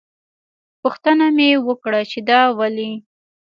پوښتنه مې وکړه چې دا ولې.